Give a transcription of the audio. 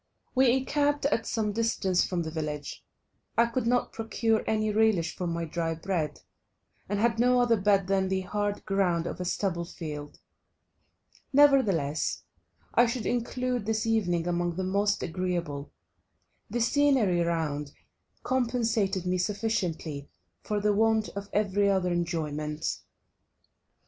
We encamped at some distance from the village; I could not procure any relish for my dry bread, and had no other bed than the hard ground of a stubble field. Nevertheless I should include this evening among the most agreeable; the scenery round compensated me sufficiently for the want of every other enjoyment.